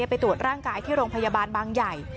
ไปตรวจร่างกายที่โรงพยาบาลบางใหญ่